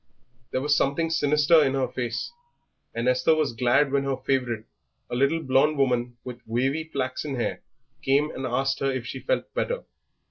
There was something sinister in her face, and Esther was glad when her favourite, a little blond woman with wavy flaxen hair, came and asked her if she felt better.